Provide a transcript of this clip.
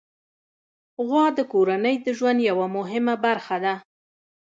غوا د کورنۍ د ژوند یوه مهمه برخه ده.